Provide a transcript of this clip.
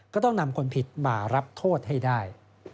ก็ต้องนำคนผิดมารับโทษให้ได้